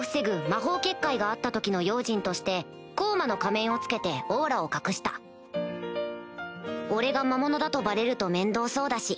魔法結界があった時の用心として抗魔の仮面を着けてオーラを隠した俺が魔物だとバレると面倒そうだし